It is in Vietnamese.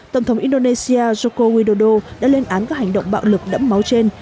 tổng thống indonesia joko widodo đã lên án các hành động bạo lực đẫm máu trên